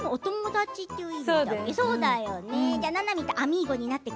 お友達っていう意味だっけ？